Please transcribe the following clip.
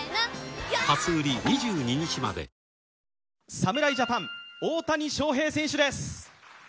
侍ジャパン、大谷翔平選手です。